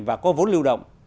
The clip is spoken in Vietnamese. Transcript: và có vốn lưu động